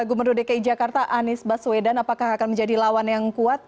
gubernur dki jakarta anies baswedan apakah akan menjadi lawan yang kuat